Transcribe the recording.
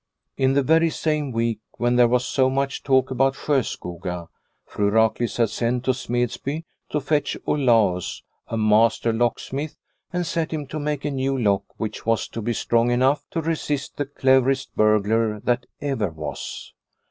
In the very same week when there was so much talk about Sjoskoga, Fru Raklitz had sent to Smedsby to fetch Olaus, a master lock smith, and set him to make a new lock which was to be strong enough to resist the cleverest burglar that ever was.